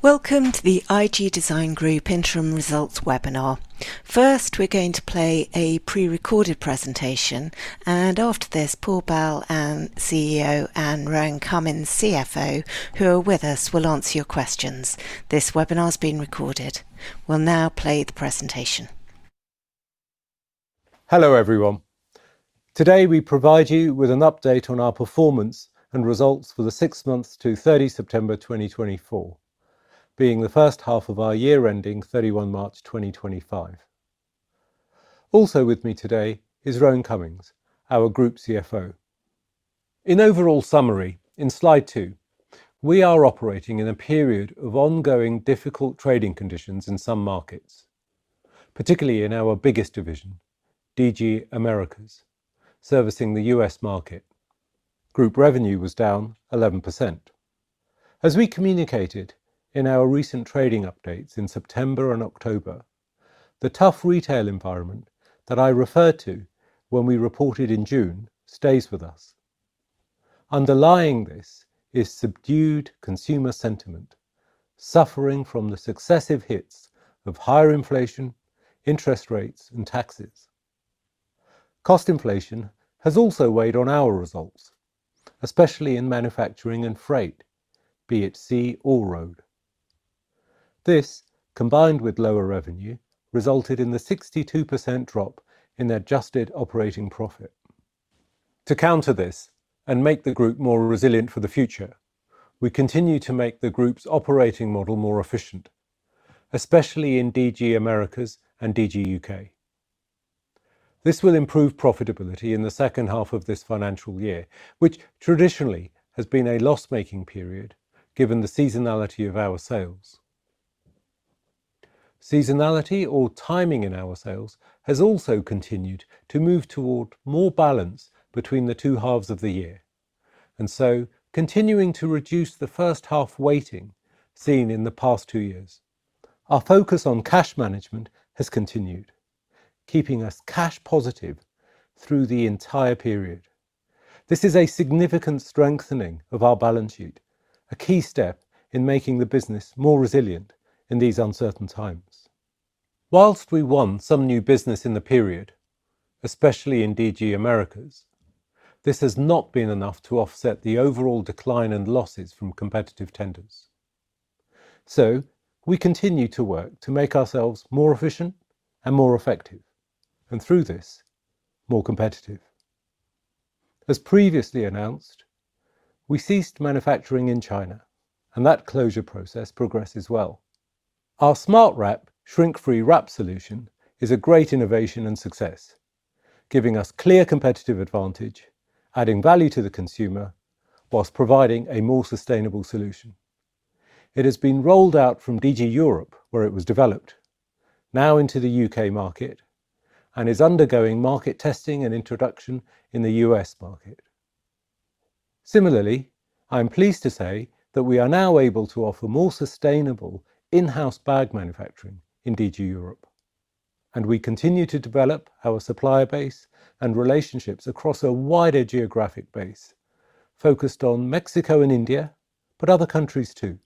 Welcome to the IG Design Group Interim Results webinar. First, we're going to play a pre-recorded presentation, and after this, Paul Bal, CEO, and Rohan Cummings, CFO, who are with us, will answer your questions. This webinar is being recorded. We'll now play the presentation. Hello everyone. Today we provide you with an update on our performance and results for the six months to 30 September 2024, being the first half of our year ending 31 March 2025. Also with me today is Rohan Cummings, our Group CFO. In overall summary, in slide two, we are operating in a period of ongoing difficult trading conditions in some markets, particularly in our biggest division, DG Americas, servicing the U.S. market. Group revenue was down 11%. As we communicated in our recent trading updates in September and October, the tough retail environment that I referred to when we reported in June stays with us. Underlying this is subdued consumer sentiment, suffering from the successive hits of higher inflation, interest rates, and taxes. Cost inflation has also weighed on our results, especially in manufacturing and freight, be it sea or road. This, combined with lower revenue, resulted in the 62% drop in Adjusted Operating Profit. To counter this and make the group more resilient for the future, we continue to make the group's operating model more efficient, especially in DG Americas and DG UK. This will improve profitability in the second half of this financial year, which traditionally has been a loss-making period given the seasonality of our sales. Seasonality or timing in our sales has also continued to move toward more balance between the two halves of the year, and so continuing to reduce the first half weighting seen in the past two years. Our focus on cash management has continued, keeping us cash positive through the entire period. This is a significant strengthening of our balance sheet, a key step in making the business more resilient in these uncertain times. While we won some new business in the period, especially in DG Americas, this has not been enough to offset the overall decline and losses from competitive tenders, so we continue to work to make ourselves more efficient and more effective, and through this, more competitive. As previously announced, we ceased manufacturing in China, and that closure process progresses well. Our Smart Wrap, shrink-free wrap solution, is a great innovation and success, giving us clear competitive advantage, adding value to the consumer while providing a more sustainable solution. It has been rolled out from DG Europe, where it was developed, now into the U.K. market, and is undergoing market testing and introduction in the U.S. market. Similarly, I'm pleased to say that we are now able to offer more sustainable in-house bag manufacturing in DG Europe, and we continue to develop our supplier base and relationships across a wider geographic base focused on Mexico and India, but other countries too.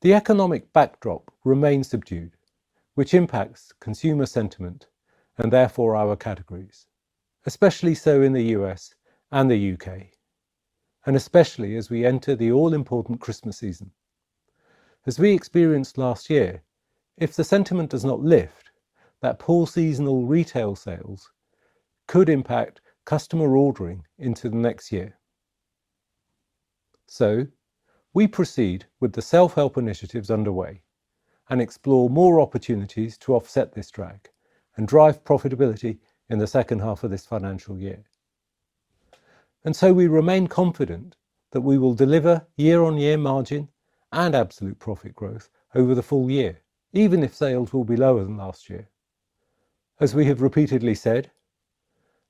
The economic backdrop remains subdued, which impacts consumer sentiment and therefore our categories, especially so in the U.S. and the U.K., and especially as we enter the all-important Christmas season. As we experienced last year, if the sentiment does not lift, that poor seasonal retail sales could impact customer ordering into the next year. So we proceed with the self-help initiatives underway and explore more opportunities to offset this drag and drive profitability in the second half of this financial year. And so we remain confident that we will deliver year-on-year margin and absolute profit growth over the full year, even if sales will be lower than last year. As we have repeatedly said,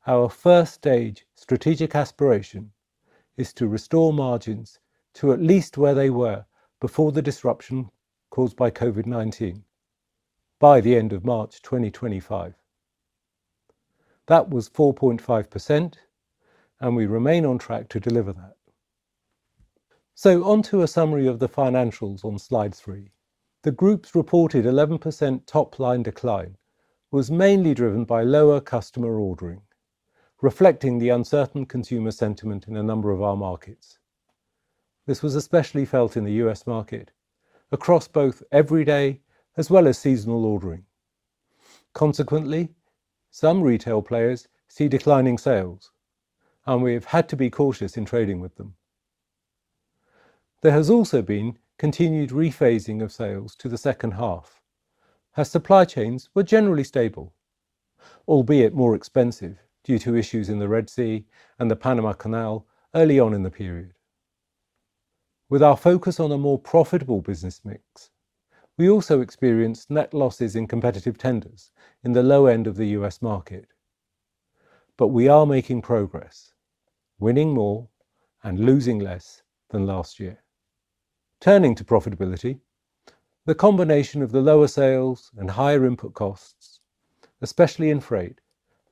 our first-stage strategic aspiration is to restore margins to at least where they were before the disruption caused by COVID-19 by the end of March 2025. That was 4.5%, and we remain on track to deliver that. So onto a summary of the financials on slide three. The group's reported 11% top-line decline was mainly driven by lower customer ordering, reflecting the uncertain consumer sentiment in a number of our markets. This was especially felt in the U.S. market across both everyday as well as seasonal ordering. Consequently, some retail players see declining sales, and we have had to be cautious in trading with them. There has also been continued rephasing of sales to the second half, as supply chains were generally stable, albeit more expensive due to issues in the Red Sea and the Panama Canal early on in the period. With our focus on a more profitable business mix, we also experienced net losses in competitive tenders in the low end of the U.S. market. But we are making progress, winning more and losing less than last year. Turning to profitability, the combination of the lower sales and higher input costs, especially in freight,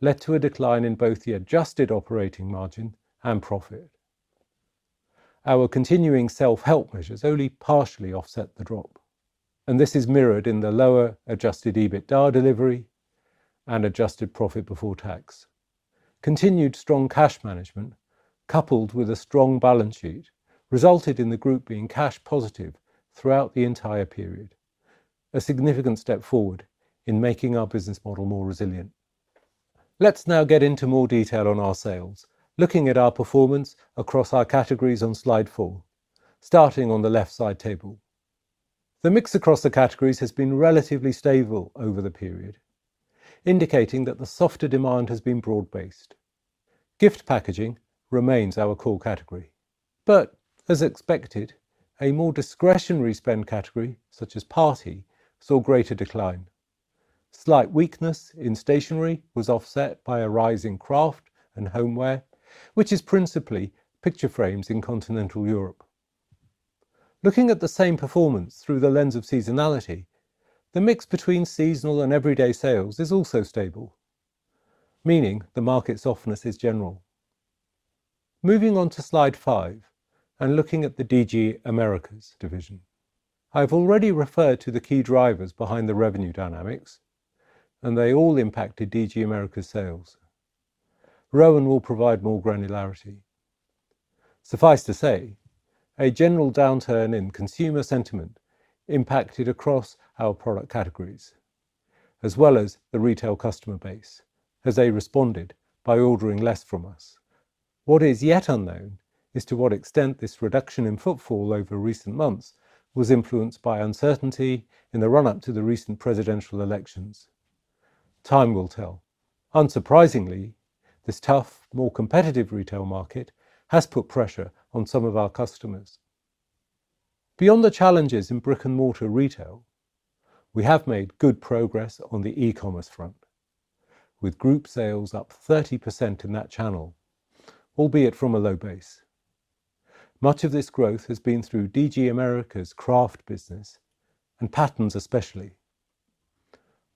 led to a decline in both the Adjusted operating margin and profit. Our continuing self-help measures only partially offset the drop, and this is mirrored in the lower Adjusted EBITDA delivery and Adjusted profit before tax. Continued strong cash management, coupled with a strong balance sheet, resulted in the group being cash positive throughout the entire period, a significant step forward in making our business model more resilient. Let's now get into more detail on our sales, looking at our performance across our categories on slide four, starting on the left side table. The mix across the categories has been relatively stable over the period, indicating that the softer demand has been broad-based. Gift packaging remains our core category, but as expected, a more discretionary spend category such as party saw greater decline. Slight weakness in stationery was offset by a rise in craft and homeware, which is principally picture frames in Continental Europe. Looking at the same performance through the lens of seasonality, the mix between seasonal and everyday sales is also stable, meaning the market softness is general. Moving on to slide five and looking at the DG Americas division, I've already referred to the key drivers behind the revenue dynamics, and they all impacted DG Americas' sales. Rohan will provide more granularity. Suffice to say, a general downturn in consumer sentiment impacted across our product categories, as well as the retail customer base, as they responded by ordering less from us. What is yet unknown is to what extent this reduction in footfall over recent months was influenced by uncertainty in the run-up to the recent presidential elections. Time will tell. Unsurprisingly, this tough, more competitive retail market has put pressure on some of our customers. Beyond the challenges in brick-and-mortar retail, we have made good progress on the e-commerce front, with group sales up 30% in that channel, albeit from a low base. Much of this growth has been through DG Americas' craft business and patterns especially.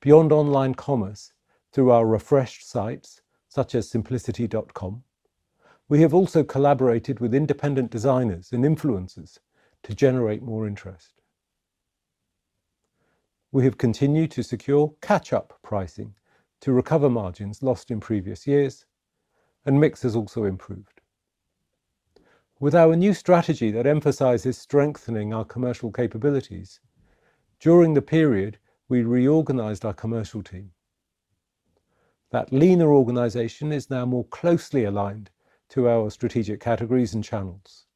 Beyond online commerce, through our refreshed sites such as Simplicity.com, we have also collaborated with independent designers and influencers to generate more interest. We have continued to secure catch-up pricing to recover margins lost in previous years, and mix has also improved. With our new strategy that emphasizes strengthening our commercial capabilities, during the period we reorganized our commercial team, that leaner organization is now more closely aligned to our strategic categories and channels.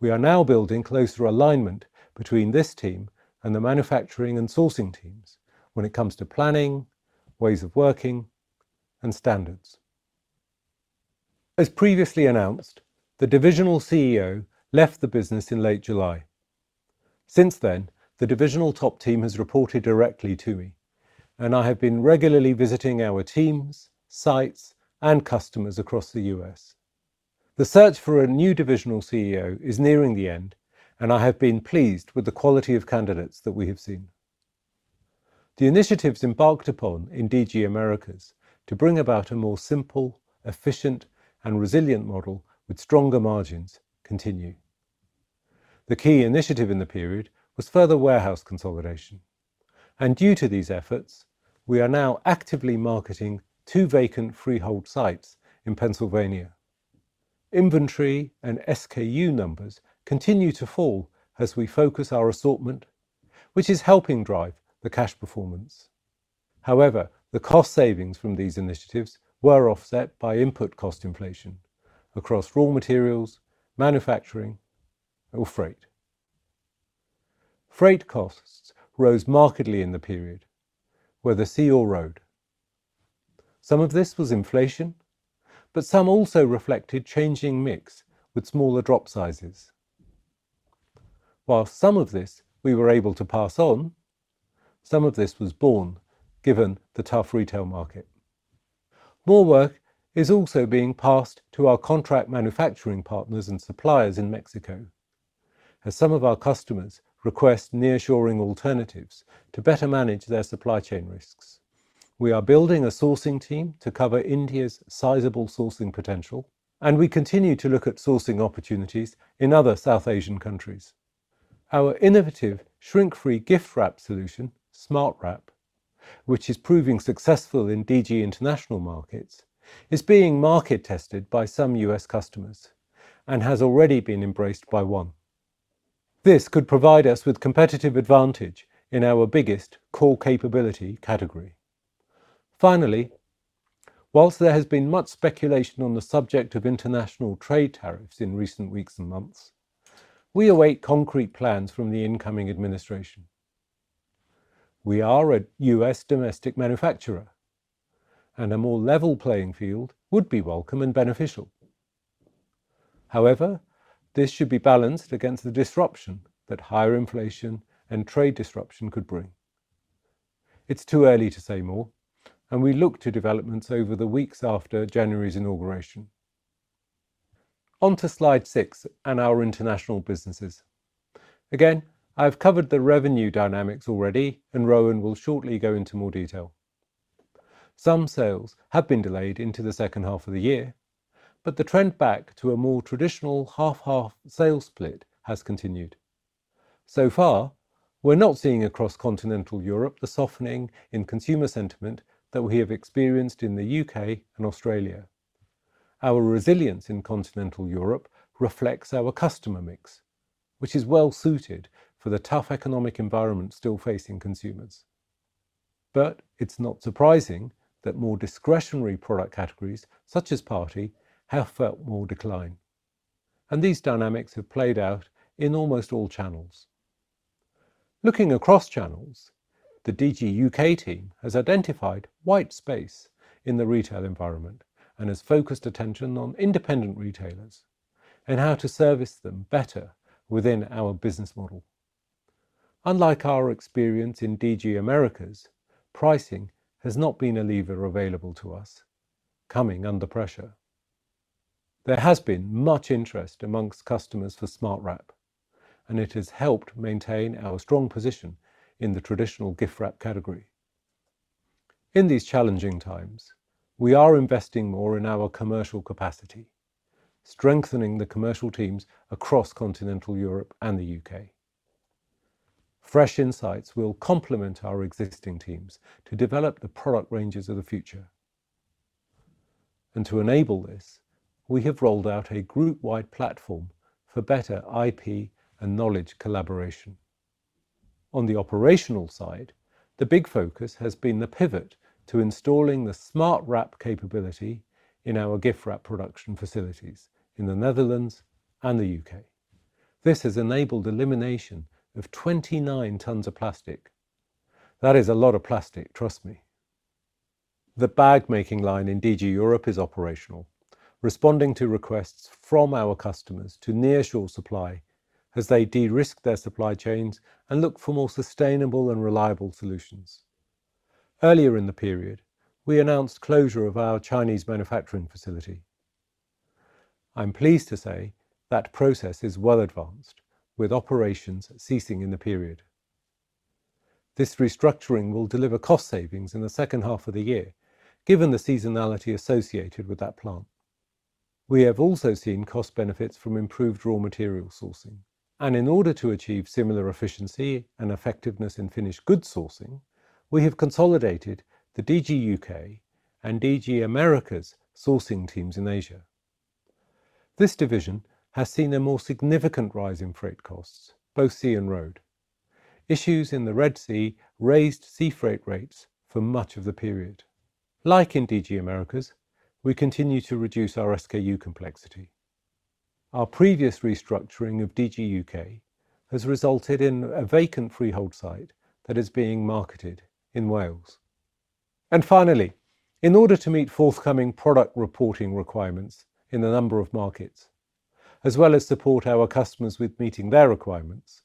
We are now building closer alignment between this team and the manufacturing and sourcing teams when it comes to planning, ways of working, and standards. As previously announced, the divisional CEO left the business in late July. Since then, the divisional top team has reported directly to me, and I have been regularly visiting our teams, sites, and customers across the U.S. The search for a new divisional CEO is nearing the end, and I have been pleased with the quality of candidates that we have seen. The initiatives embarked upon in DG Americas to bring about a more simple, efficient, and resilient model with stronger margins continue. The key initiative in the period was further warehouse consolidation, and due to these efforts, we are now actively marketing two vacant freehold sites in Pennsylvania. Inventory and SKU numbers continue to fall as we focus our assortment, which is helping drive the cash performance. However, the cost savings from these initiatives were offset by input cost inflation across raw materials, manufacturing, or freight. Freight costs rose markedly in the period, whether sea or road. Some of this was inflation, but some also reflected changing mix with smaller drop sizes. While some of this we were able to pass on, some of this was borne given the tough retail market. More work is also being passed to our contract manufacturing partners and suppliers in Mexico, as some of our customers request nearshoring alternatives to better manage their supply chain risks. We are building a sourcing team to cover India's sizable sourcing potential, and we continue to look at sourcing opportunities in other South Asian countries. Our innovative shrink-free gift wrap solution, Smart Wrap, which is proving successful in DG International markets, is being market tested by some U.S. customers and has already been embraced by one. This could provide us with competitive advantage in our biggest core capability category. Finally, while there has been much speculation on the subject of international trade tariffs in recent weeks and months, we await concrete plans from the incoming administration. We are a U.S. domestic manufacturer, and a more level playing field would be welcome and beneficial. However, this should be balanced against the disruption that higher inflation and trade disruption could bring. It's too early to say more, and we look to developments over the weeks after January's inauguration. Onto slide six and our international businesses. Again, I've covered the revenue dynamics already, and Rohan will shortly go into more detail. Some sales have been delayed into the second half of the year, but the trend back to a more traditional half-half sales split has continued. So far, we're not seeing across Continental Europe the softening in consumer sentiment that we have experienced in the U.K. and Australia. Our resilience in Continental Europe reflects our customer mix, which is well-suited for the tough economic environment still facing consumers. But it's not surprising that more discretionary product categories such as party have felt more decline, and these dynamics have played out in almost all channels. Looking across channels, the DG UK team has identified white space in the retail environment and has focused attention on independent retailers and how to service them better within our business model. Unlike our experience in DG Americas, pricing has not been a lever available to us, coming under pressure. There has been much interest amongst customers for Smart Wrap, and it has helped maintain our strong position in the traditional gift wrap category. In these challenging times, we are investing more in our commercial capacity, strengthening the commercial teams across Continental Europe and the U.K. Fresh insights will complement our existing teams to develop the product ranges of the future. And to enable this, we have rolled out a group-wide platform for better IP and knowledge collaboration. On the operational side, the big focus has been the pivot to installing the Smart Wrap capability in our gift wrap production facilities in the Netherlands and the U.K. This has enabled elimination of 29 tons of plastic. That is a lot of plastic, trust me. The bag making line in DG Europe is operational, responding to requests from our customers to nearshore supply as they de-risk their supply chains and look for more sustainable and reliable solutions. Earlier in the period, we announced closure of our Chinese manufacturing facility. I'm pleased to say that process is well advanced, with operations ceasing in the period. This restructuring will deliver cost savings in the second half of the year, given the seasonality associated with that plant. We have also seen cost benefits from improved raw material sourcing, and in order to achieve similar efficiency and effectiveness in finished goods sourcing, we have consolidated the DG UK and DG Americas sourcing teams in Asia. This division has seen a more significant rise in freight costs, both sea and road. Issues in the Red Sea raised sea freight rates for much of the period. Like in DG Americas, we continue to reduce our SKU complexity. Our previous restructuring of DG UK has resulted in a vacant freehold site that is being marketed in Wales, and finally, in order to meet forthcoming product reporting requirements in a number of markets, as well as support our customers with meeting their requirements,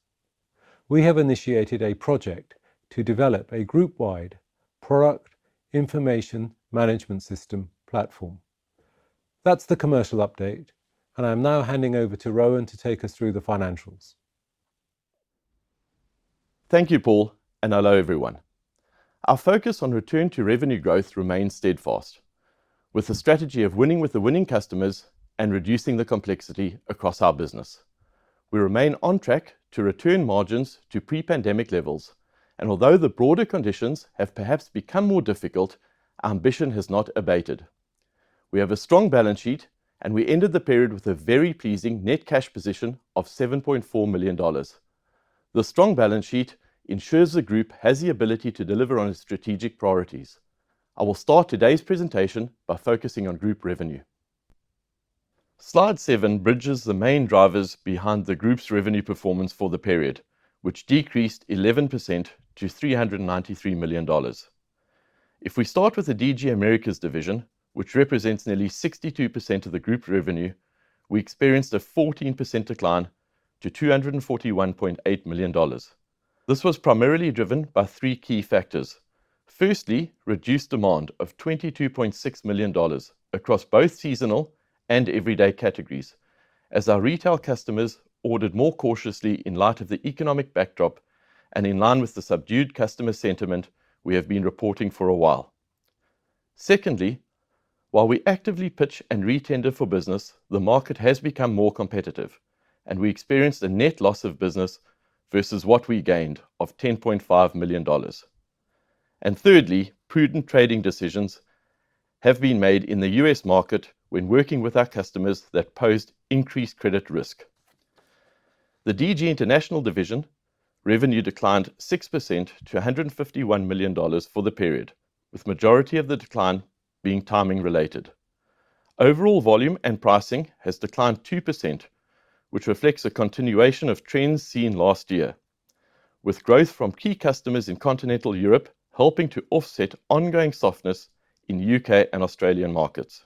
we have initiated a project to develop a group-wide product information management system platform. That's the commercial update, and I'm now handing over to Rohan to take us through the financials. Thank you, Paul, and hello everyone. Our focus on return to revenue growth remains steadfast, with the strategy of winning with the winning customers and reducing the complexity across our business. We remain on track to return margins to pre-pandemic levels, and although the broader conditions have perhaps become more difficult, ambition has not abated. We have a strong balance sheet, and we ended the period with a very pleasing net cash position of $7.4 million. The strong balance sheet ensures the group has the ability to deliver on its strategic priorities. I will start today's presentation by focusing on group revenue. Slide seven bridges the main drivers behind the group's revenue performance for the period, which decreased 11% to $393 million. If we start with the DG Americas division, which represents nearly 62% of the group revenue, we experienced a 14% decline to $241.8 million. This was primarily driven by three key factors. Firstly, reduced demand of $22.6 million across both seasonal and everyday categories, as our retail customers ordered more cautiously in light of the economic backdrop and in line with the subdued customer sentiment we have been reporting for a while. Secondly, while we actively pitch and re-tender for business, the market has become more competitive, and we experienced a net loss of business versus what we gained of $10.5 million. And thirdly, prudent trading decisions have been made in the U.S. market when working with our customers that posed increased credit risk. The DG International division revenue declined 6% to $151 million for the period, with the majority of the decline being timing related. Overall volume and pricing has declined 2%, which reflects a continuation of trends seen last year, with growth from key customers in Continental Europe helping to offset ongoing softness in U.K. and Australian markets.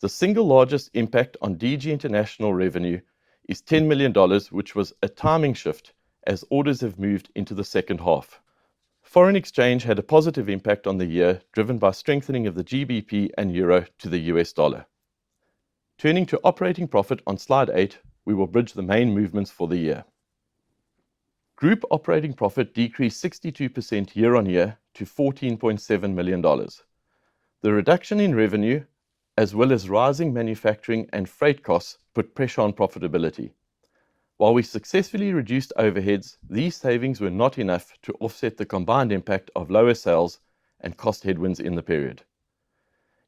The single largest impact on DG International revenue is $10 million, which was a timing shift as orders have moved into the second half. Foreign exchange had a positive impact on the year, driven by strengthening of the GBP and euro to the U.S. dollar. Turning to operating profit on slide eight, we will bridge the main movements for the year. Group operating profit decreased 62% year on year to $14.7 million. The reduction in revenue, as well as rising manufacturing and freight costs, put pressure on profitability. While we successfully reduced overheads, these savings were not enough to offset the combined impact of lower sales and cost headwinds in the period.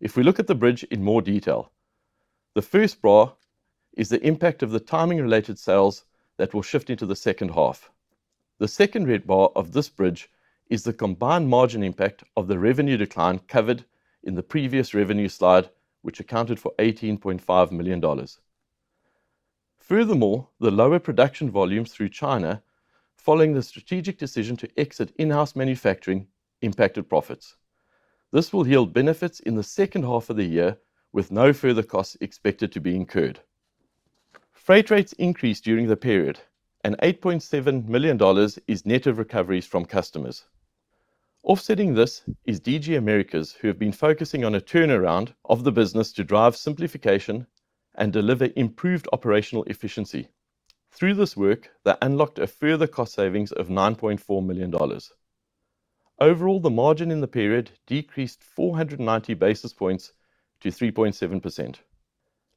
If we look at the bridge in more detail, the first bar is the impact of the timing-related sales that will shift into the second half. The second red bar of this bridge is the combined margin impact of the revenue decline covered in the previous revenue slide, which accounted for $18.5 million. Furthermore, the lower production volumes through China, following the strategic decision to exit in-house manufacturing, impacted profits. This will yield benefits in the second half of the year, with no further costs expected to be incurred. Freight rates increased during the period, and $8.7 million is net of recoveries from customers. Offsetting this is DG Americas, who have been focusing on a turnaround of the business to drive simplification and deliver improved operational efficiency. Through this work, they unlocked a further cost savings of $9.4 million. Overall, the margin in the period decreased 490 basis points to 3.7%.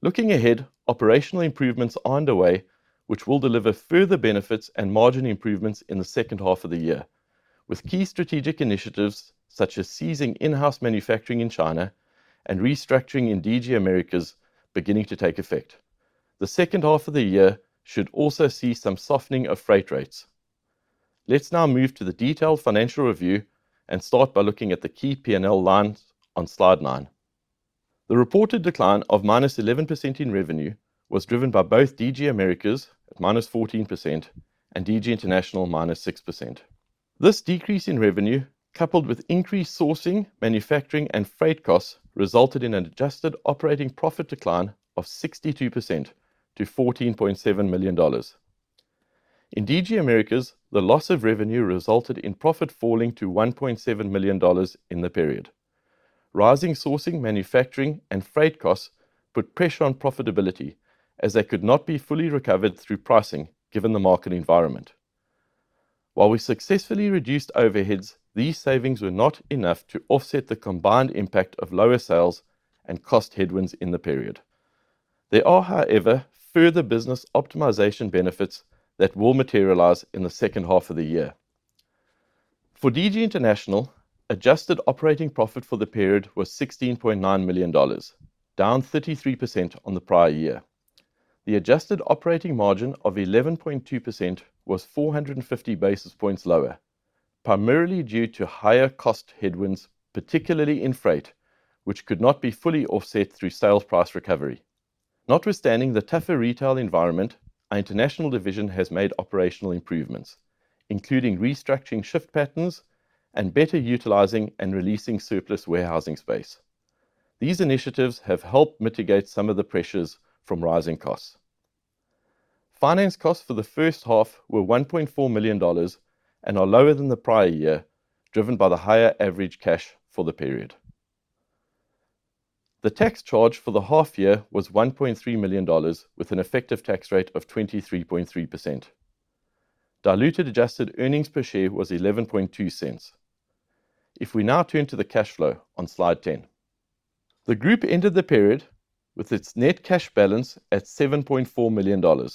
Looking ahead, operational improvements are underway, which will deliver further benefits and margin improvements in the second half of the year, with key strategic initiatives such as ceasing in-house manufacturing in China and restructuring in DG Americas beginning to take effect. The second half of the year should also see some softening of freight rates. Let's now move to the detailed financial review and start by looking at the key P&L lines on slide nine. The reported decline of -11% in revenue was driven by both DG Americas at -14% and DG International -6%. This decrease in revenue, coupled with increased sourcing, manufacturing, and freight costs, resulted in an adjusted operating profit decline of 62% to $14.7 million. In DG Americas, the loss of revenue resulted in profit falling to $1.7 million in the period. Rising sourcing, manufacturing, and freight costs put pressure on profitability, as they could not be fully recovered through pricing given the market environment. While we successfully reduced overheads, these savings were not enough to offset the combined impact of lower sales and cost headwinds in the period. There are, however, further business optimization benefits that will materialize in the second half of the year. For DG International, adjusted operating profit for the period was $16.9 million, down 33% on the prior year. The adjusted operating margin of 11.2% was 450 basis points lower, primarily due to higher cost headwinds, particularly in freight, which could not be fully offset through sales price recovery. Notwithstanding the tougher retail environment, our international division has made operational improvements, including restructuring shift patterns and better utilizing and releasing surplus warehousing space. These initiatives have helped mitigate some of the pressures from rising costs. Finance costs for the first half were $1.4 million and are lower than the prior year, driven by the higher average cash for the period. The tax charge for the half year was $1.3 million, with an effective tax rate of 23.3%. Diluted adjusted earnings per share was $0.11. If we now turn to the cash flow on slide 10, the group ended the period with its net cash balance at $7.4 million.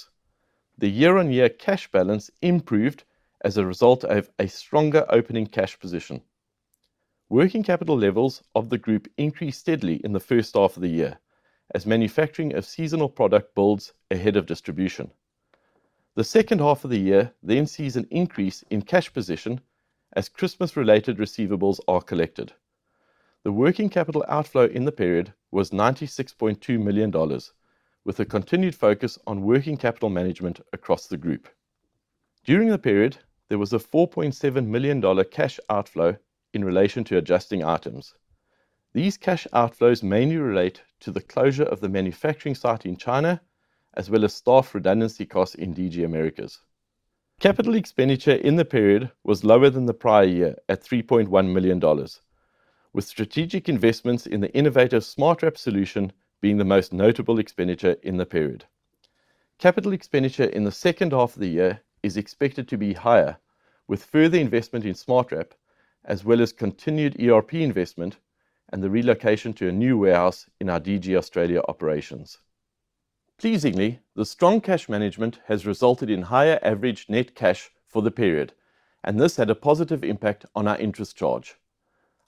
The year-on-year cash balance improved as a result of a stronger opening cash position. Working capital levels of the group increased steadily in the first half of the year, as manufacturing of seasonal product builds ahead of distribution. The second half of the year then sees an increase in cash position as Christmas-related receivables are collected. The working capital outflow in the period was $96.2 million, with a continued focus on working capital management across the group. During the period, there was a $4.7 million cash outflow in relation to adjusting items. These cash outflows mainly relate to the closure of the manufacturing site in China, as well as staff redundancy costs in DG Americas. Capital expenditure in the period was lower than the prior year at $3.1 million, with strategic investments in the innovative Smart Wrap solution being the most notable expenditure in the period. Capital expenditure in the second half of the year is expected to be higher, with further investment in Smart Wrap, as well as continued ERP investment and the relocation to a new warehouse in our DG Australia operations. Pleasingly, the strong cash management has resulted in higher average net cash for the period, and this had a positive impact on our interest charge.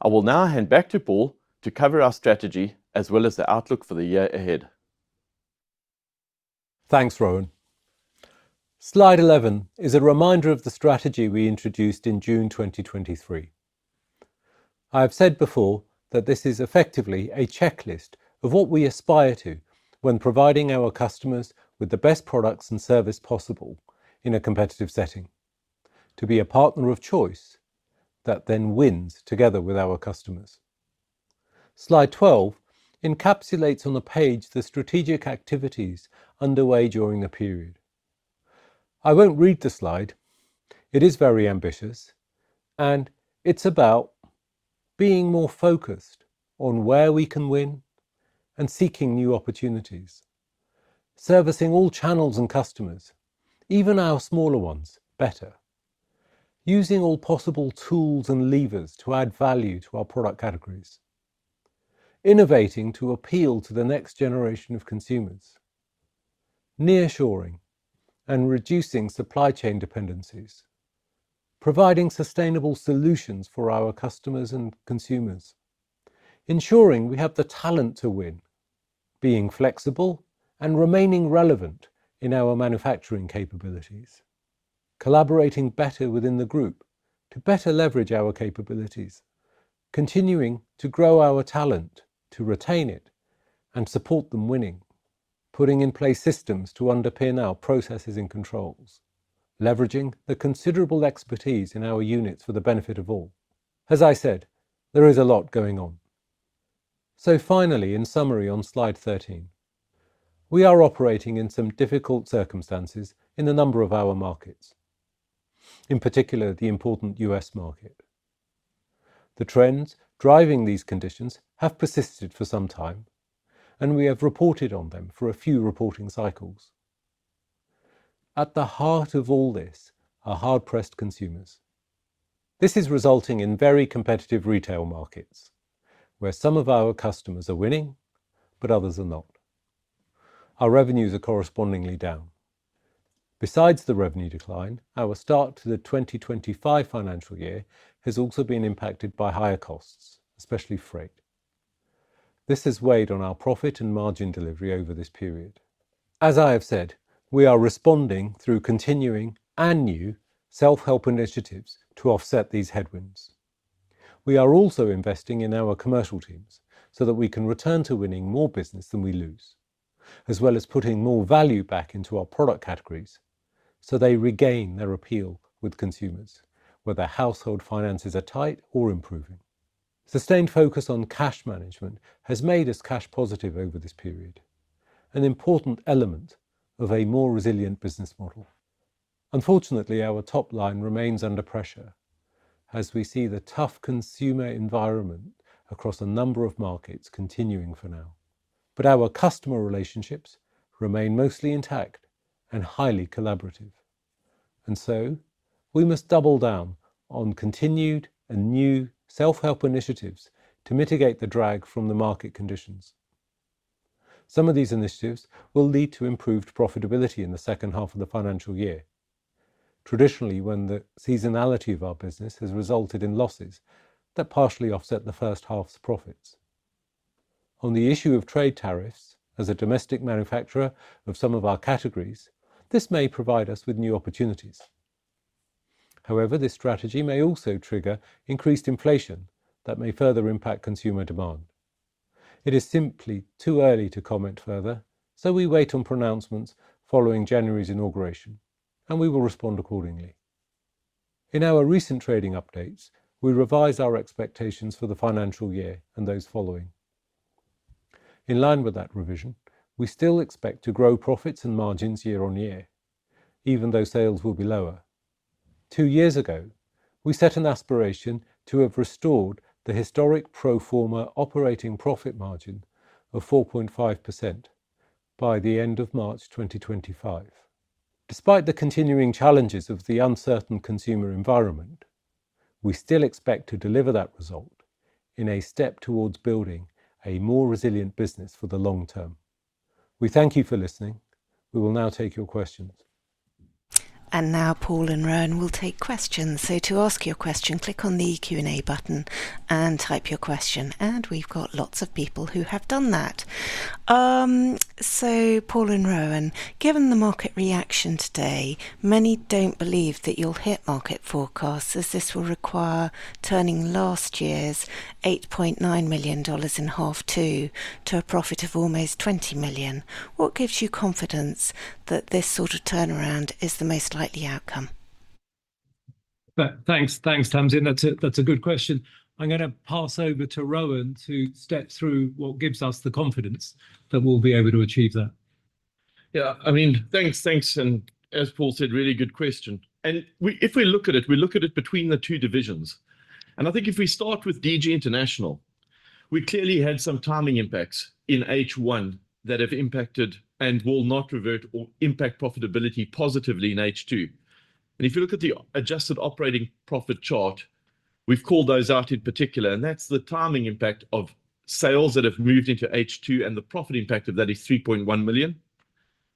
I will now hand back to Paul to cover our strategy as well as the outlook for the year ahead. Thanks, Rohan. Slide 11 is a reminder of the strategy we introduced in June 2023. I have said before that this is effectively a checklist of what we aspire to when providing our customers with the best products and service possible in a competitive setting, to be a partner of choice that then wins together with our customers. Slide 12 encapsulates on the page the strategic activities underway during the period. I won't read the slide. It is very ambitious, and it's about being more focused on where we can win and seeking new opportunities, servicing all channels and customers, even our smaller ones, better, using all possible tools and levers to add value to our product categories, innovating to appeal to the next generation of consumers, nearshoring and reducing supply chain dependencies, providing sustainable solutions for our customers and consumers, ensuring we have the talent to win, being flexible and remaining relevant in our manufacturing capabilities, collaborating better within the group to better leverage our capabilities, continuing to grow our talent to retain it and support them winning, putting in place systems to underpin our processes and controls, leveraging the considerable expertise in our units for the benefit of all. As I said, there is a lot going on. So finally, in summary on slide 13, we are operating in some difficult circumstances in a number of our markets, in particular the important U.S. market. The trends driving these conditions have persisted for some time, and we have reported on them for a few reporting cycles. At the heart of all this are hard-pressed consumers. This is resulting in very competitive retail markets, where some of our customers are winning, but others are not. Our revenues are correspondingly down. Besides the revenue decline, our start to the 2025 financial year has also been impacted by higher costs, especially freight. This has weighed on our profit and margin delivery over this period. As I have said, we are responding through continuing and new self-help initiatives to offset these headwinds. We are also investing in our commercial teams so that we can return to winning more business than we lose, as well as putting more value back into our product categories so they regain their appeal with consumers, whether household finances are tight or improving. Sustained focus on cash management has made us cash positive over this period, an important element of a more resilient business model. Unfortunately, our top line remains under pressure as we see the tough consumer environment across a number of markets continuing for now, but our customer relationships remain mostly intact and highly collaborative, and so we must double down on continued and new self-help initiatives to mitigate the drag from the market conditions. Some of these initiatives will lead to improved profitability in the second half of the financial year, traditionally when the seasonality of our business has resulted in losses that partially offset the first half's profits. On the issue of trade tariffs, as a domestic manufacturer of some of our categories, this may provide us with new opportunities. However, this strategy may also trigger increased inflation that may further impact consumer demand. It is simply too early to comment further, so we wait on pronouncements following January's inauguration, and we will respond accordingly. In our recent trading updates, we revise our expectations for the financial year and those following. In line with that revision, we still expect to grow profits and margins year on year, even though sales will be lower. Two years ago, we set an aspiration to have restored the historic pro forma operating profit margin of 4.5% by the end of March 2025. Despite the continuing challenges of the uncertain consumer environment, we still expect to deliver that result in a step towards building a more resilient business for the long term. We thank you for listening. We will now take your questions. Now, Paul and Rohan will take questions. To ask your question, click on the Q&A button and type your question. We've got lots of people who have done that. Paul and Rohan, given the market reaction today, many don't believe that you'll hit market forecasts as this will require turning last year's $8.9 million in half two to a profit of almost $20 million. What gives you confidence that this sort of turnaround is the most likely outcome? Thanks, thanks, Tamsin. That's a good question. I'm going to pass over to Rohan to step through what gives us the confidence that we'll be able to achieve that. Yeah, I mean, thanks, Tamsin. And as Paul said, really good question. And if we look at it between the two divisions. And I think if we start with DG International, we clearly had some timing impacts in H1 that have impacted and will not revert or impact profitability positively in H2. And if you look at the adjusted operating profit chart, we've called those out in particular. And that's the timing impact of sales that have moved into H2 and the profit impact of that is $3.1 million.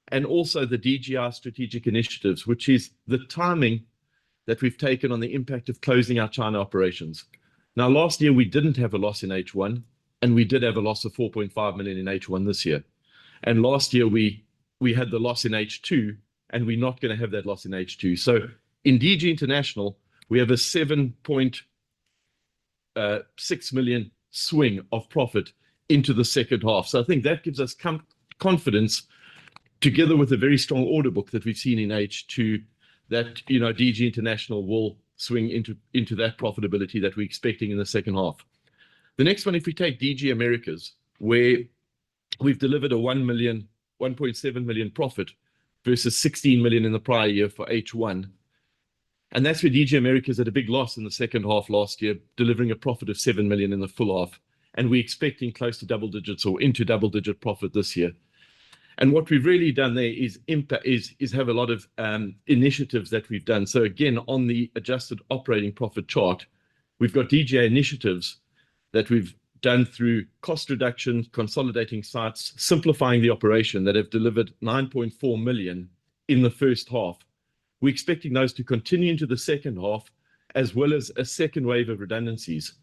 And also the Group's strategic initiatives, which is the timing that we've taken on the impact of closing our China operations. Now, last year, we didn't have a loss in H1, and we did have a loss of $4.5 million in H1 this year. And last year, we had the loss in H2, and we're not going to have that loss in H2. So in DG International, we have a $7.6 million swing of profit into the second half. So I think that gives us confidence, together with a very strong order book that we've seen in H2, that, you know, DG International will swing into that profitability that we're expecting in the second half. The next one, if we take DG Americas, where we've delivered a $1.7 million profit versus $16 million in the prior year for H1. And that's where DG Americas had a big loss in the second half last year, delivering a profit of $7 million in the full half. We're expecting close to double digits or into double digit profit this year. What we've really done there is have a lot of initiatives that we've done. Again, on the adjusted operating profit chart, we've got DG Americas initiatives that we've done through cost reduction, consolidating sites, simplifying the operation that have delivered $9.4 million in the first half. We're expecting those to continue into the second half, as well as a second wave of redundancies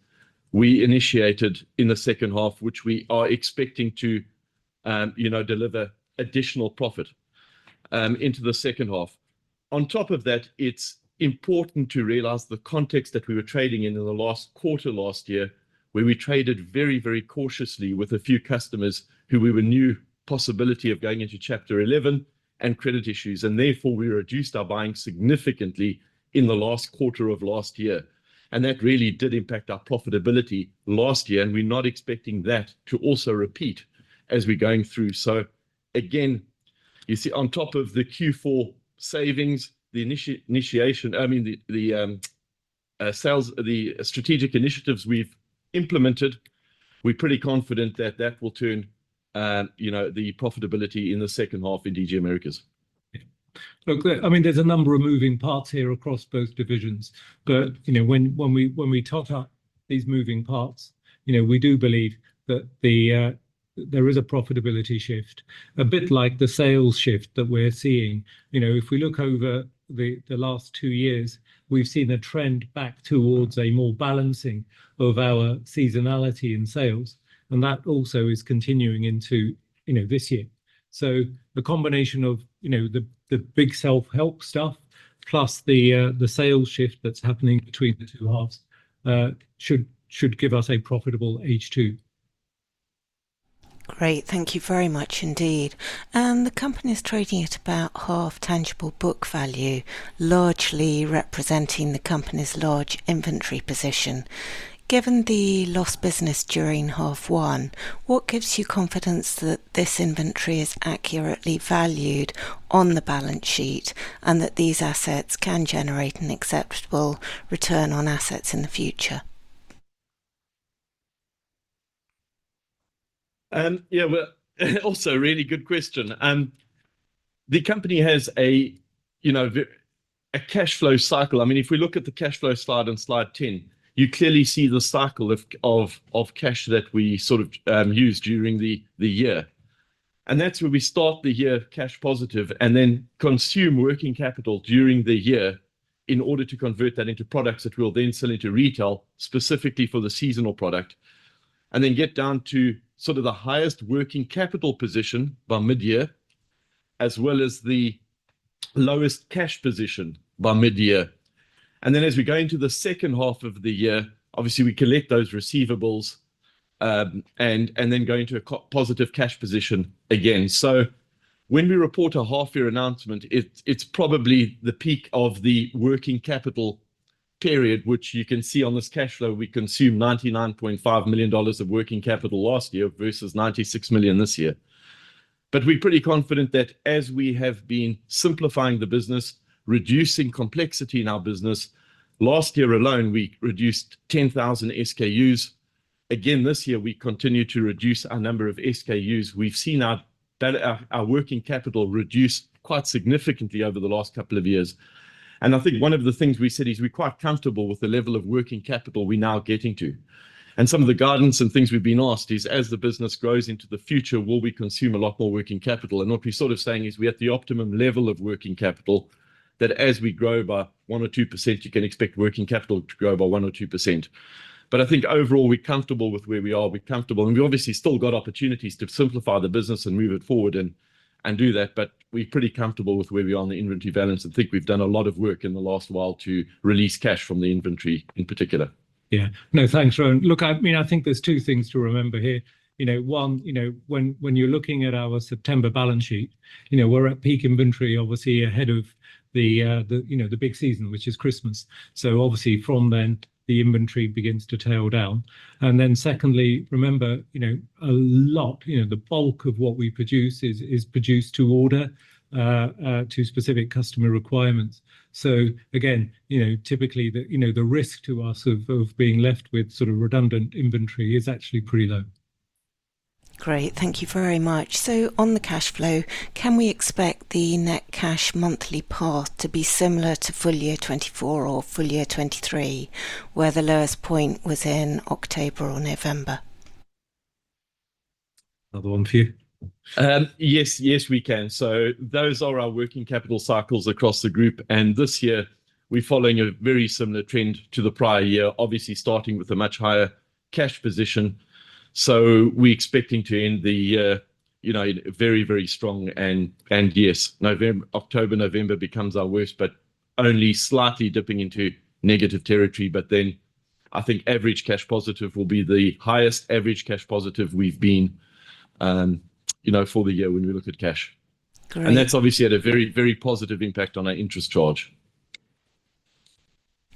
we initiated in the second half, which we are expecting to, you know, deliver additional profit into the second half. On top of that, it's important to realize the context that we were trading in in the last quarter last year, where we traded very, very cautiously with a few customers who we knew had the possibility of going into Chapter 11 and credit issues. Therefore, we reduced our buying significantly in the last quarter of last year. That really did impact our profitability last year. We're not expecting that to also repeat as we're going through. Again, you see, on top of the Q4 savings, the initiation, I mean, the sales, the strategic initiatives we've implemented, we're pretty confident that that will turn, you know, the profitability in the second half in DG Americas. Yeah. Clear, I mean, there's a number of moving parts here across both divisions. You know, when we talk about these moving parts, you know, we do believe that there is a profitability shift, a bit like the sales shift that we're seeing. You know, if we look over the last two years, we've seen a trend back towards a more balancing of our seasonality in sales. That also is continuing into, you know, this year. The combination of, you know, the big self-help stuff, plus the sales shift that's happening between the two halves, should give us a profitable H2. Great. Thank you very much indeed. The company is trading at about half tangible book value, largely representing the company's large inventory position. Given the lost business during half one, what gives you confidence that this inventory is accurately valued on the balance sheet and that these assets can generate an acceptable return on assets in the future? Yeah, well, also a really good question. The company has a, you know, a cash flow cycle. I mean, if we look at the cash flow slide on slide 10, you clearly see the cycle of cash that we sort of use during the year. That's where we start the year cash positive and then consume working capital during the year in order to convert that into products that we'll then sell into retail specifically for the seasonal product and then get down to sort of the highest working capital position by mid-year, as well as the lowest cash position by mid-year. Then as we go into the second half of the year, obviously, we collect those receivables and then go into a positive cash position again. When we report a half-year announcement, it's probably the peak of the working capital period, which you can see on this cash flow. We consumed $99.5 million of working capital last year versus $96 million this year. We're pretty confident that as we have been simplifying the business, reducing complexity in our business, last year alone, we reduced 10,000 SKUs. Again, this year, we continue to reduce our number of SKUs. We've seen our working capital reduce quite significantly over the last couple of years, and I think one of the things we said is we're quite comfortable with the level of working capital we're now getting to. And some of the guidance and things we've been asked is, as the business grows into the future, will we consume a lot more working capital? And what we're sort of saying is we're at the optimum level of working capital that as we grow by 1% or 2%, you can expect working capital to grow by 1% or 2%, but I think overall, we're comfortable with where we are. We're comfortable, and we obviously still got opportunities to simplify the business and move it forward and do that. But we're pretty comfortable with where we are on the inventory balance and think we've done a lot of work in the last while to release cash from the inventory in particular. Yeah. No, thanks, Rohan. Look, I mean, I think there's two things to remember here. You know, one, you know, when you're looking at our September balance sheet, you know, we're at peak inventory, obviously, ahead of the, you know, the big season, which is Christmas. So obviously, from then, the inventory begins to tail down. And then secondly, remember, you know, a lot, you know, the bulk of what we produce is produced to order to specific customer requirements. So again, you know, typically, the, you know, the risk to us of being left with sort of redundant inventory is actually pretty low. Great. Thank you very much. So on the cash flow, can we expect the net cash monthly path to be similar to full year 2024 or full year 2023, where the lowest point was in October or November? Another one for you. Yes, yes, we can. So those are our working capital cycles across the group. And this year, we're following a very similar trend to the prior year, obviously starting with a much higher cash position. So we're expecting to end the year, you know, very, very strong. And yes, November, October, November becomes our worst, but only slightly dipping into negative territory. But then I think average cash positive will be the highest average cash positive we've been, you know, for the year when we look at cash. And that's obviously had a very, very positive impact on our interest charge.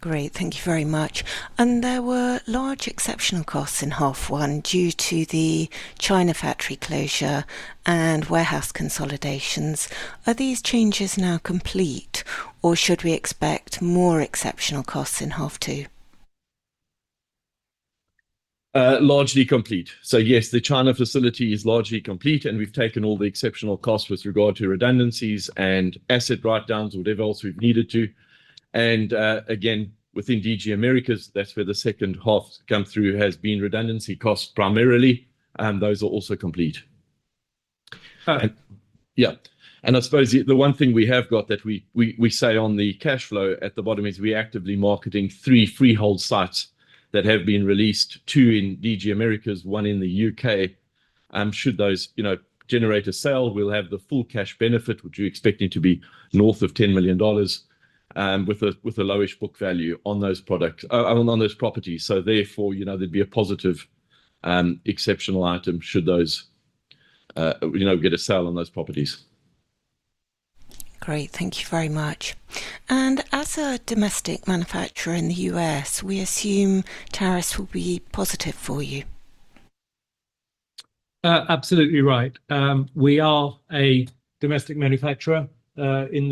Great. Thank you very much. There were large exceptional costs in half one due to the China factory closure and warehouse consolidations. Are these changes now complete, or should we expect more exceptional costs in half two? Largely complete. So yes, the China facility is largely complete, and we've taken all the exceptional costs with regard to redundancies and asset write-downs or whatever else we've needed to. And again, within DG Americas, that's where the second half come through has been redundancy costs primarily. And those are also complete. And yeah, and I suppose the one thing we have got that we say on the cash flow at the bottom is we're actively marketing three freehold sites that have been released, two in DG Americas, one in the U.K. And should those, you know, generate a sale, we'll have the full cash benefit, which we're expecting to be north of $10 million with a lowish book value on those products, on those properties. So therefore, you know, there'd be a positive exceptional item should those, you know, get a sale on those properties. Great. Thank you very much. And as a domestic manufacturer in the U.S., we assume tariffs will be positive for you. Absolutely right. We are a domestic manufacturer in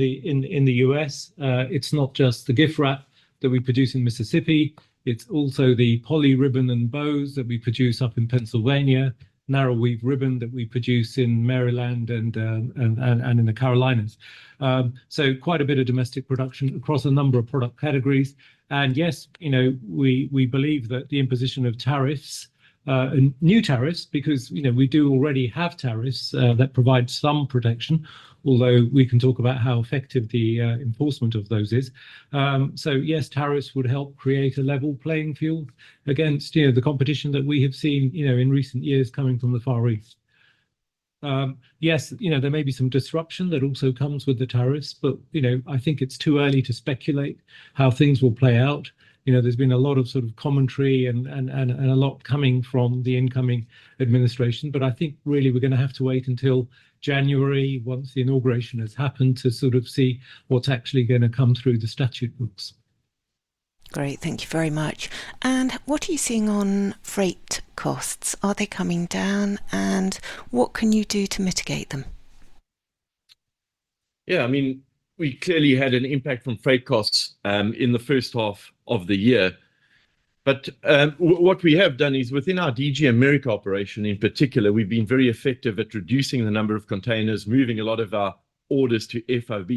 the U.S. It's not just the gift wrap that we produce in Mississippi. It's also the poly ribbon and bows that we produce up in Pennsylvania, narrow weave ribbon that we produce in Maryland and in the Carolinas. So quite a bit of domestic production across a number of product categories. Yes, you know, we believe that the imposition of tariffs, new tariffs, because, you know, we do already have tariffs that provide some protection, although we can talk about how effective the enforcement of those is. Yes, tariffs would help create a level playing field against, you know, the competition that we have seen, you know, in recent years coming from the Far East. Yes, you know, there may be some disruption that also comes with the tariffs, but, you know, I think it's too early to speculate how things will play out. You know, there's been a lot of sort of commentary and a lot coming from the incoming administration. I think really we're going to have to wait until January, once the inauguration has happened, to sort of see what's actually going to come through the statute books. Great. Thank you very much. And what are you seeing on freight costs? Are they coming down? And what can you do to mitigate them? Yeah, I mean, we clearly had an impact from freight costs in the first half of the year. But what we have done is within our DG Americas operation in particular, we've been very effective at reducing the number of containers, moving a lot of our orders to FOB.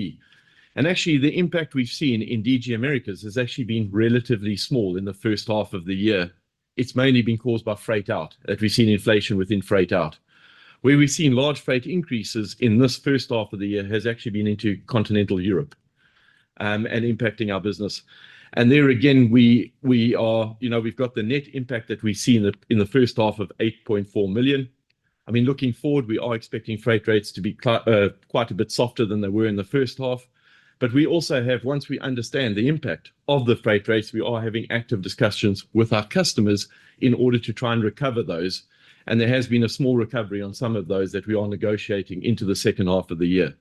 And actually, the impact we've seen in DG Americas has actually been relatively small in the first half of the year. It's mainly been caused by freight out that we've seen inflation within freight out. Where we've seen large freight increases in this first half of the year has actually been into Continental Europe and impacting our business. And there again, we are, you know, we've got the net impact that we see in the first half of $8.4 million. I mean, looking forward, we are expecting freight rates to be quite a bit softer than they were in the first half. But we also have, once we understand the impact of the freight rates, we are having active discussions with our customers in order to try and recover those. And there has been a small recovery on some of those that we are negotiating into the second half of the year.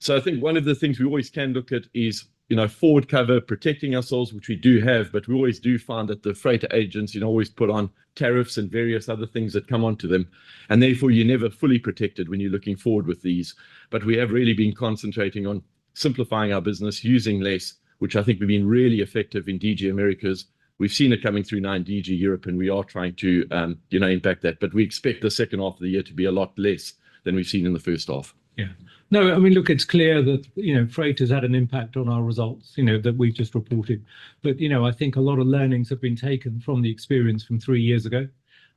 So I think one of the things we always can look at is, you know, forward cover protecting ourselves, which we do have. But we always do find that the freight agents, you know, always put on tariffs and various other things that come onto them. And therefore, you're never fully protected when you're looking forward with these. But we have really been concentrating on simplifying our business, using less, which I think we've been really effective in DG Americas. We've seen it coming through now in DG Europe, and we are trying to, you know, impact that. But we expect the second half of the year to be a lot less than we've seen in the first half. Yeah. No, I mean, look, it's clear that, you know, freight has had an impact on our results, you know, that we've just reported. But, you know, I think a lot of learnings have been taken from the experience from three years ago.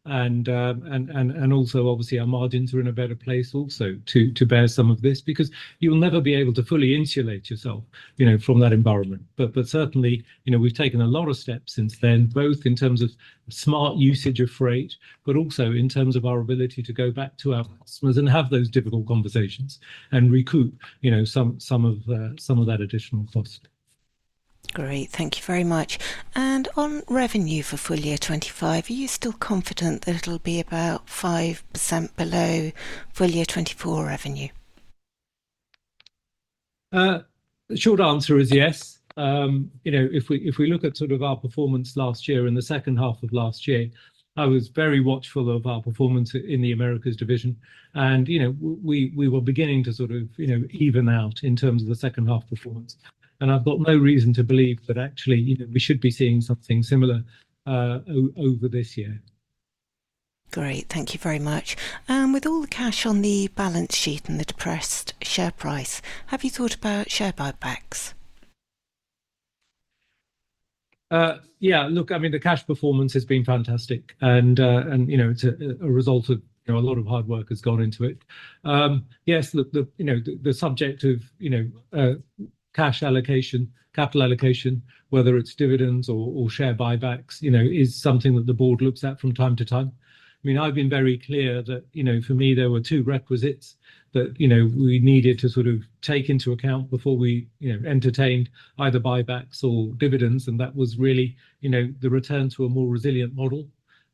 And also, obviously, our margins are in a better place also to bear some of this because you'll never be able to fully insulate yourself, you know, from that environment. But certainly, you know, we've taken a lot of steps since then, both in terms of smart usage of freight, but also in terms of our ability to go back to our customers and have those difficult conversations and recoup, you know, some of that additional cost. Great. Thank you very much. And on revenue for full year 25, are you still confident that it'll be about 5% below full year 24 revenue? Short answer is yes. You know, if we look at sort of our performance last year and the second half of last year, I was very watchful of our performance in the Americas division. And, you know, we were beginning to sort of, you know, even out in terms of the second half performance. I've got no reason to believe that actually, you know, we should be seeing something similar over this year. Great. Thank you very much. With all the cash on the balance sheet and the depressed share price, have you thought about share buybacks? Yeah. Look, I mean, the cash performance has been fantastic. And, you know, it's a result of, you know, a lot of hard work has gone into it. Yes. Look, the, you know, the subject of, you know, cash allocation, capital allocation, whether it's dividends or share buybacks, you know, is something that the board looks at from time to time. I mean, I've been very clear that, you know, for me, there were two requisites that, you know, we needed to sort of take into account before we, you know, entertained either buybacks or dividends. That was really, you know, the return to a more resilient model.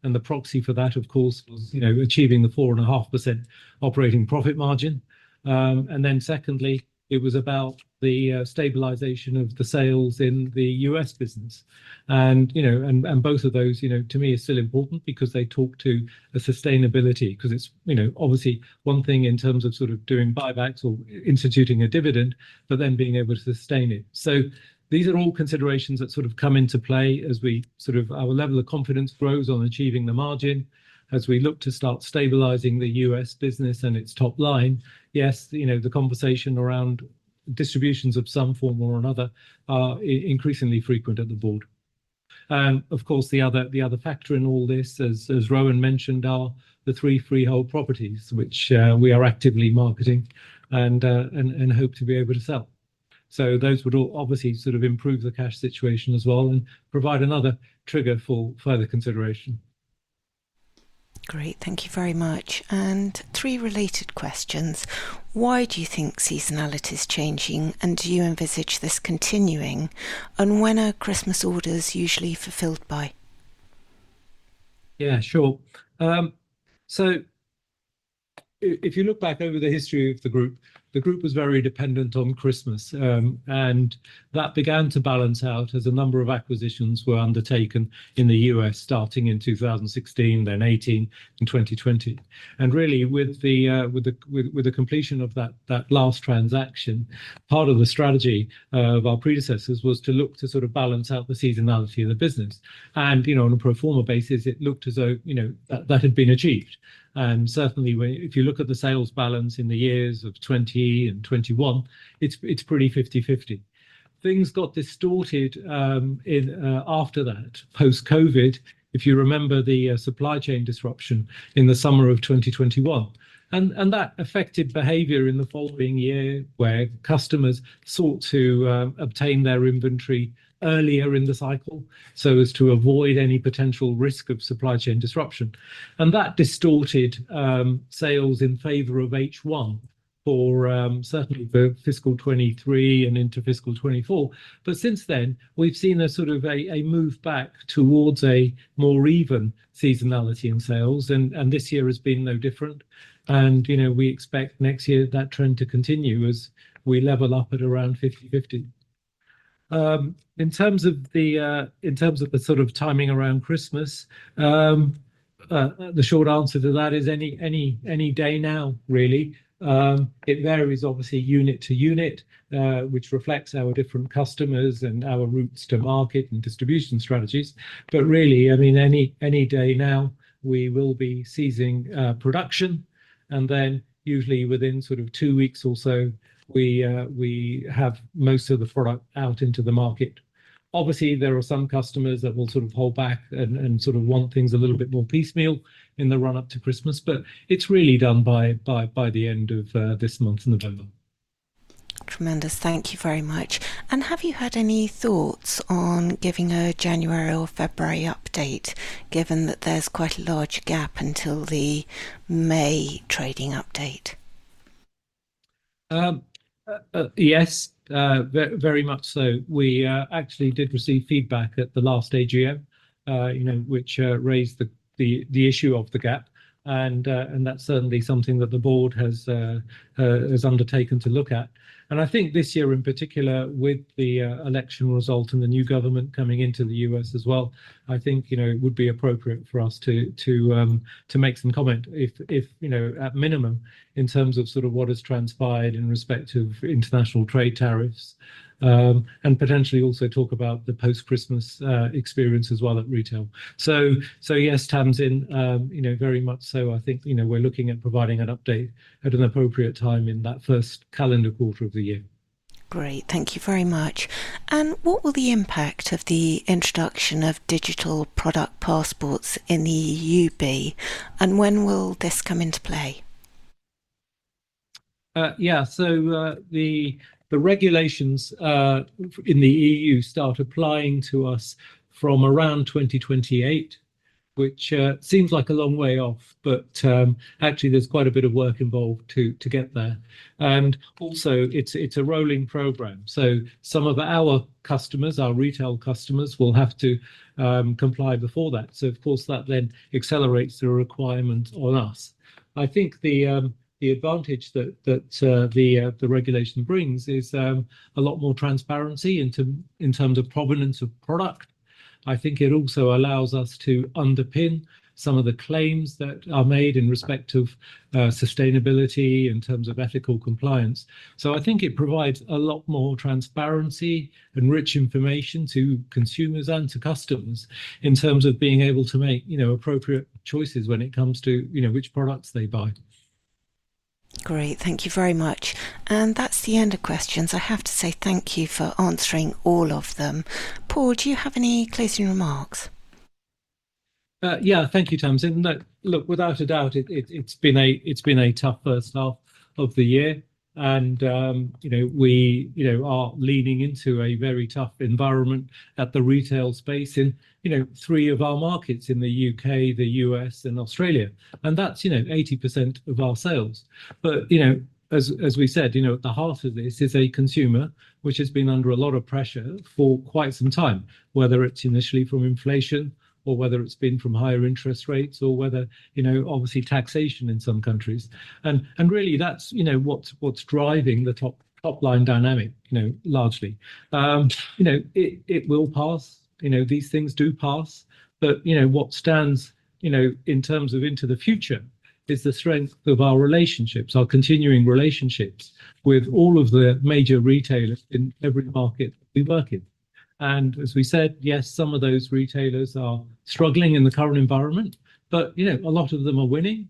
The proxy for that, of course, was, you know, achieving the 4.5% operating profit margin. Secondly, it was about the stabilization of the sales in the U.S. business. You know, and both of those, you know, to me, are still important because they talk to a sustainability because it's, you know, obviously one thing in terms of sort of doing buybacks or instituting a dividend, but then being able to sustain it. These are all considerations that sort of come into play as we sort of our level of confidence grows on achieving the margin, as we look to start stabilizing the U.S. business and its top line. Yes, you know, the conversation around distributions of some form or another are increasingly frequent at the board. And of course, the other factor in all this, as Rohan mentioned, are the three freehold properties which we are actively marketing and hope to be able to sell. So those would all obviously sort of improve the cash situation as well and provide another trigger for further consideration. Great. Thank you very much. And three related questions. Why do you think seasonality is changing and do you envisage this continuing? And when are Christmas orders usually fulfilled by? Yeah, sure. So if you look back over the history of the group, the group was very dependent on Christmas. And that began to balance out as a number of acquisitions were undertaken in the U.S. starting in 2016, then 2018 and 2020. And really with the completion of that last transaction, part of the strategy of our predecessors was to look to sort of balance out the seasonality of the business. And, you know, on a pro forma basis, it looked as though, you know, that had been achieved. And certainly, if you look at the sales balance in the years of 2020 and 2021, it's pretty 50/50. Things got distorted after that, post-COVID, if you remember the supply chain disruption in the summer of 2021. And that affected behavior in the following year where customers sought to obtain their inventory earlier in the cycle so as to avoid any potential risk of supply chain disruption. And that distorted sales in favor of H1, certainly for fiscal 2023 and into fiscal 2024. But since then, we've seen a sort of a move back towards a more even seasonality in sales. And this year has been no different. And, you know, we expect next year that trend to continue as we level up at around 50/50. In terms of the sort of timing around Christmas, the short answer to that is any day now, really. It varies, obviously, unit to unit, which reflects our different customers and our routes to market and distribution strategies. But really, I mean, any day now, we will be ceasing production. And then usually within sort of two weeks or so, we have most of the product out into the market. Obviously, there are some customers that will sort of hold back and sort of want things a little bit more piecemeal in the run-up to Christmas. But it's really done by the end of this month, November. Tremendous. Thank you very much. And have you had any thoughts on giving a January or February update, given that there's quite a large gap until the May trading update? Yes, very much so. We actually did receive feedback at the last AGM, you know, which raised the issue of the gap. And that's certainly something that the board has undertaken to look at. And I think this year in particular, with the election result and the new government coming into the U.S. as well, I think, you know, it would be appropriate for us to make some comment if you know, at minimum, in terms of sort of what has transpired in respect of international trade tariffs and potentially also talk about the post-Christmas experience as well at retail. Yes, Tamsin, you know, very much so. I think, you know, we're looking at providing an update at an appropriate time in that first calendar quarter of the year. Great. Thank you very much. What will the impact of the introduction of Digital Product Passports in the EU be? When will this come into play? Yeah. The regulations in the EU start applying to us from around 2028, which seems like a long way off, but actually there's quite a bit of work involved to get there. And also, it's a rolling program. So some of our customers, our retail customers, will have to comply before that. So, of course, that then accelerates the requirement on us. I think the advantage that the regulation brings is a lot more transparency in terms of provenance of product. I think it also allows us to underpin some of the claims that are made in respect of sustainability in terms of ethical compliance. So I think it provides a lot more transparency and rich information to consumers and to customers in terms of being able to make, you know, appropriate choices when it comes to, you know, which products they buy. Great. Thank you very much. And that's the end of questions. I have to say thank you for answering all of them. Paul, do you have any closing remarks? Yeah. Thank you, Tamsin. Look, without a doubt, it's been a tough first half of the year. And, you know, we, you know, are leaning into a very tough environment at the retail space in, you know, three of our markets in the U.K., the U.S., and Australia. And that's, you know, 80% of our sales. But, you know, as we said, you know, at the heart of this is a consumer which has been under a lot of pressure for quite some time, whether it's initially from inflation or whether it's been from higher interest rates or whether, you know, obviously taxation in some countries. And really that's, you know, what's driving the top line dynamic, you know, largely. You know, it will pass. You know, these things do pass. But, you know, what stands, you know, in terms of into the future is the strength of our relationships, our continuing relationships with all of the major retailers in every market we work in. And as we said, yes, some of those retailers are struggling in the current environment, but, you know, a lot of them are winning.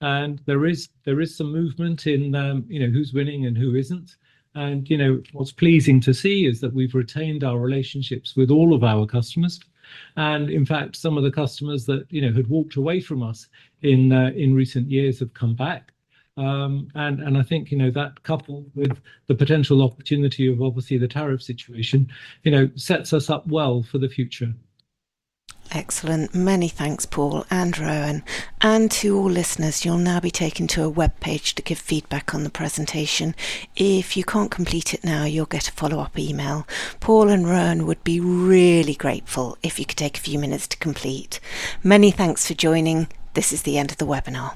There is some movement in, you know, who's winning and who isn't. And, you know, what's pleasing to see is that we've retained our relationships with all of our customers. And in fact, some of the customers that, you know, had walked away from us in recent years have come back. And I think, you know, that coupled with the potential opportunity of obviously the tariff situation, you know, sets us up well for the future. Excellent. Many thanks, Paul and Rohan. And to all listeners, you'll now be taken to a web page to give feedback on the presentation. If you can't complete it now, you'll get a follow-up email. Paul and Rohan would be really grateful if you could take a few minutes to complete. Many thanks for joining. This is the end of the webinar.